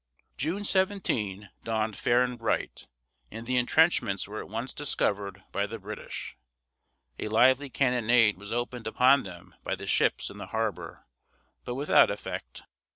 June 17 dawned fair and bright, and the intrenchments were at once discovered by the British. A lively cannonade was opened upon them by the ships in the harbor, but without effect.